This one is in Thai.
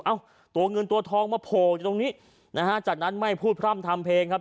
ตัวเงินตัวทองมาโผล่อยู่ตรงนี้นะฮะจากนั้นไม่พูดพร่ำทำเพลงครับ